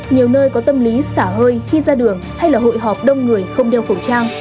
nhiều nơi có tâm lý xả hơi khi ra đường hay là hội họp đông người không đeo khẩu trang